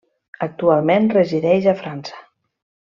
Actualment resideix a França.